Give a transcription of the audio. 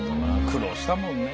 苦労したもんね。